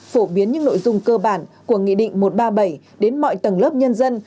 phổ biến những nội dung cơ bản của nghị định một trăm ba mươi bảy đến mọi tầng lớp nhân dân